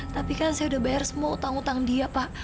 tapi kan saya udah bayar semua utang utang dia pak